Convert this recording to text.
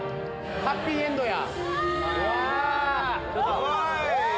ハッピーエンドや。うわ！